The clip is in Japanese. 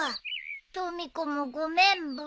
とみ子もごめんブー。